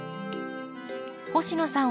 星野さん